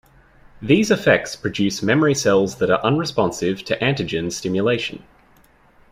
These effects produce memory cells that are unresponsive to antigen stimulation.